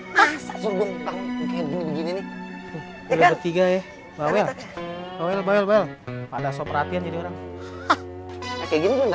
masa suruh buntang kayak gini gini